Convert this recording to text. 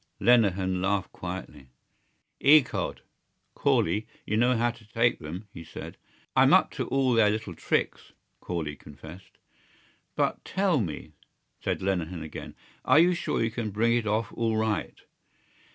Lenehan laughed quietly. "Ecod! Corley, you know how to take them," he said. "I'm up to all their little tricks," Corley confessed. "But tell me," said Lenehan again, "are you sure you can bring it off all right?